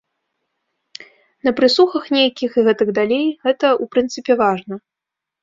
На прэсухах нейкіх і гэтак далей гэта, у прынцыпе, важна.